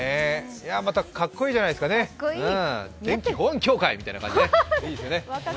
またかっこいいじゃないですかね、電気保安協会みたいな感じでね。